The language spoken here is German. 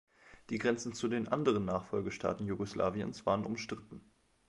Die Grenzen zu den anderen Nachfolgestaaten Jugoslawiens waren umstritten.